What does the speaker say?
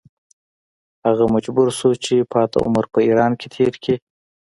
هغه مجبور شو چې پاتې عمر په ایران کې تېر کړي.